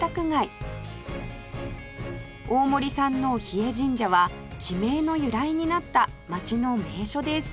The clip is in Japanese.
大森山王日枝神社は地名の由来になった街の名所です